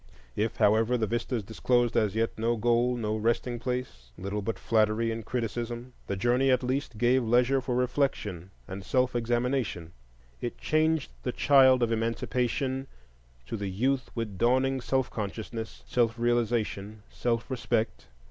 If, however, the vistas disclosed as yet no goal, no resting place, little but flattery and criticism, the journey at least gave leisure for reflection and self examination; it changed the child of Emancipation to the youth with dawning self consciousness, self realization, self respect.